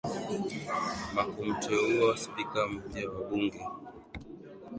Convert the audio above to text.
ma kumteua spika mpya wa bunge